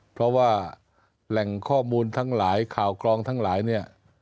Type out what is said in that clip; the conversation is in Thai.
เพราะว่าแหล่งข้อมูลทั้งหลายข่าวกรองทั้งหลายเนี่ย